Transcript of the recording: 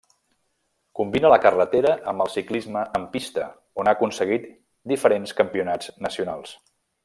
Combina la carretera amb el ciclisme en pista, on ha aconseguit diferents campionats nacionals.